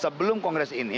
sebelum kongres ini